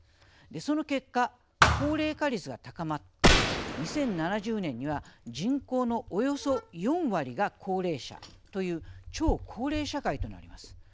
その結果高齢化率が高まって２０７０年には人口のおよそ４割が高齢者という超高齢社会となります。